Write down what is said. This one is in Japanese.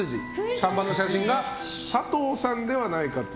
３番の写真が佐藤さんではないかと。